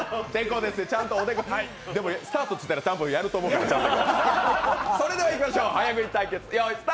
でもスタートっていったら多分やると思う、ちゃんと。